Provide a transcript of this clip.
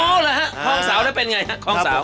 โอ้หรือฮะคล้องสาวจะเป็นไงฮะคล้องสาว